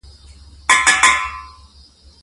د يوافغان کميونسټ کردار هم ښودلے شي.